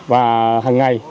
và hàng ngày